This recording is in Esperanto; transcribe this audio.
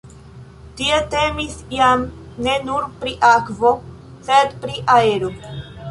Tie temis jam ne nur pri akvo, sed pri aero.